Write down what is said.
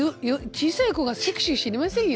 小さい子がセクシー知りませんよね。